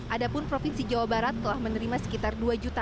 adapun provinsi jawa barat telah menerima sekitar